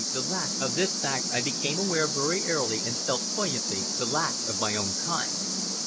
Of this fact I became aware very early, and felt poignantly the lack of my own kind.